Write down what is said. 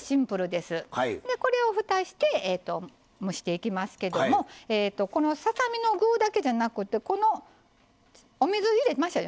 でこれをふたして蒸していきますけどもこのささ身の具だけじゃなくてこのお水入れましたよね